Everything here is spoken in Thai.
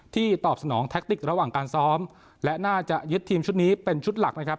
ตอบสนองแท็กติกระหว่างการซ้อมและน่าจะยึดทีมชุดนี้เป็นชุดหลักนะครับ